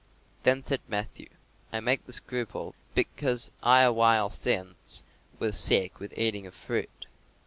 Then said Matthew, "I make the scruple because I awhile since was sick with eating of fruit."